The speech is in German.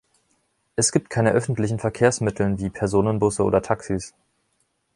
Es gibt keine öffentlichen Verkehrsmittel, wie Personenbusse oder Taxis.